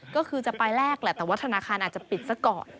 ก็คือจะไปแรกแหละแต่ว่าธนาคารอาจจะปิดซะก่อน